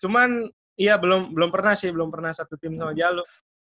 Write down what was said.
cuman ya belum pernah sih belum pernah satu tim sama jalo